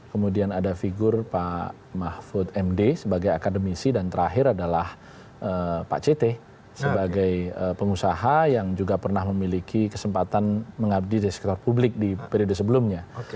kemudian ada figur pak mahfud md sebagai akademisi dan terakhir adalah pak cete sebagai pengusaha yang juga pernah memiliki kesempatan mengabdi di sekitar publik di periode sebelumnya